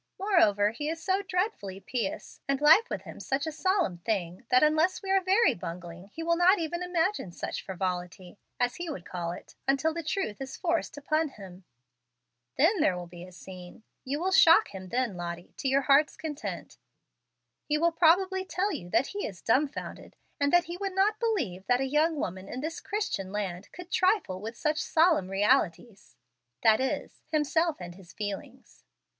Moreover, he is so dreadfully pious, and life with him such a solemn thing, that unless we are very bungling he will not even imagine such frivolity, as he would call it, until the truth is forced upon him. Then there will be a scene. You will shock him then, Lottie, to your heart's content. He will probably tell you that he is dumbfounded, and that he would not believe that a young woman in this Christian land could trifle with such solemn realities, that is, himself and his feelings."